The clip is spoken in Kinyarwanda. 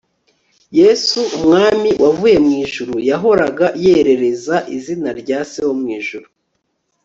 yesu, umwami wavuye mu ijuru, yahoraga yerereza izina rya se wo mu ijuru